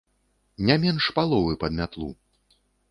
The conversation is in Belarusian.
Не менш паловы пад мятлу!